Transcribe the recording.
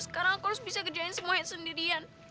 sekarang aku harus bisa kerjain semuanya sendirian